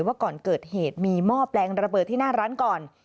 ว่าก่อนเกิดเหตุมีหม้อแปลงระเบิดที่หน้าร้านก่อน